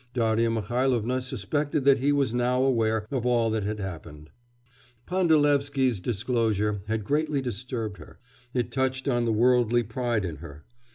Darya Mihailovna suspected that he was now aware of all that had happened. Pandalevsky's disclosure had greatly disturbed her. It touched on the worldly pride in her.